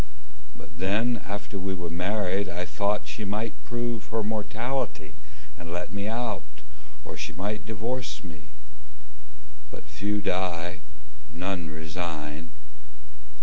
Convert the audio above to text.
But then after we were married I thought She might prove her mortality and let me out, Or she might divorce me. But few die, none resign.